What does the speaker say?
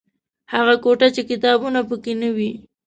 هغه کوټه چې کتابونه پکې نه وي.